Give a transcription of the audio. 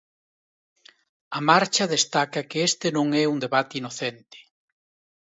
A Marcha destaca que este non é un debate inocente.